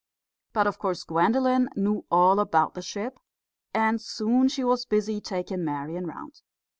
But of course Gwendolen knew all about the ship, and soon she was busy taking Marian round.